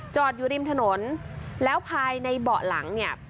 อยู่ริมถนนแล้วภายในเบาะหลังเนี่ย